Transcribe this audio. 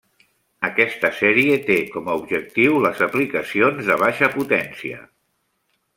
Aquesta sèrie té com a objectiu les aplicacions de baixa potència.